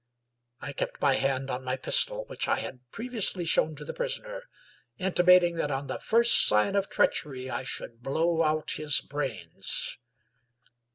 I kept my hand on my pistol, which I had pre viously shown to the prisoner, intimating that on the first sign of treachery I should blow out his brains.